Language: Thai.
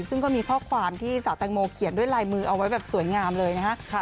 ซึ่งก็มีข้อความที่สาวแตงโมเขียนด้วยลายมือเอาไว้แบบสวยงามเลยนะฮะ